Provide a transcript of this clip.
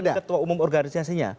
bukan ketua umum organisasinya